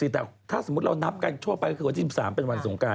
แต่ถ้าสมมุติเรานับกันทั่วไปก็คือวันที่๑๓เป็นวันสงการ